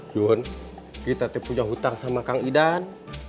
jun kita punya hutang sama kang idan